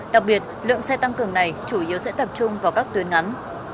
đặc biệt lượng xe tăng cường này chủ yếu sẽ tập trung vào các tuyến ngắn